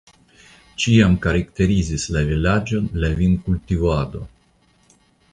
Ĉiam karakterizis la vilaĝon la vinkultivado.